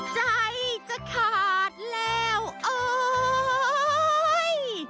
ใจจะขาดแล้วโอ้ววววรรดิ